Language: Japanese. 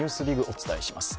お伝えします。